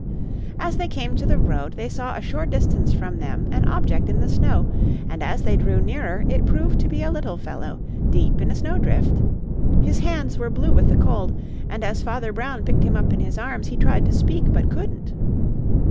As they came to the road they saw a short distance from them an object in the snow and as they drew nearer it proved to be a little fellow, deep in a snow drift. His hands were blue with the cold and as Father Brown picked him up in his arms he tried to speak, but couldn't.